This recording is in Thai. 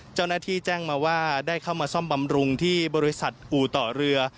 เจ้าหน้าที่แจ้งมาว่าได้เข้ามาซ่อมบำรุงที่บริษัทอู่ต่อเรือ